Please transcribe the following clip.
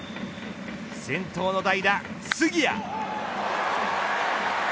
先頭の代打杉谷。